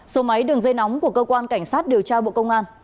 số máy đường dây nóng của cơ quan cảnh sát điều tra bộ công an